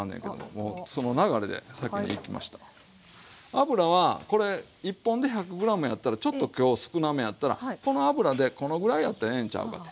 油はこれ１本で１００ｇやったらちょっと今日少なめやったらこの油でこのぐらいやったらええんちゃうかって。